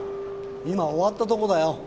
今終わったとこだよ。